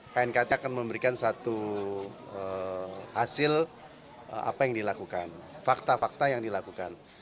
knkt akan memberikan satu hasil apa yang dilakukan fakta fakta yang dilakukan